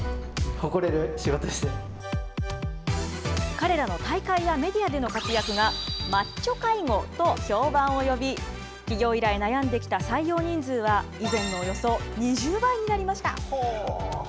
彼らの大会やメディアでの活躍が、マッチョ介護と評判を呼び、起業以来、悩んできた採用人数は、以前のおよそ２０倍になりました。